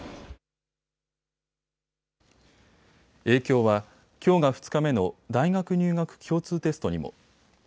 影響は、きょうが２日目の大学入学共通テストにも。